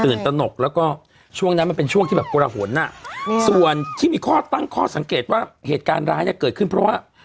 ตนกแล้วก็ช่วงนั้นมันเป็นช่วงที่แบบกระหนอ่ะส่วนที่มีข้อตั้งข้อสังเกตว่าเหตุการณ์ร้ายเนี่ยเกิดขึ้นเพราะว่า